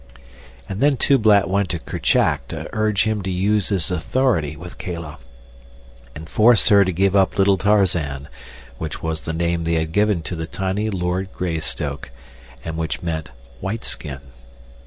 And then Tublat went to Kerchak to urge him to use his authority with Kala, and force her to give up little Tarzan, which was the name they had given to the tiny Lord Greystoke, and which meant "White Skin."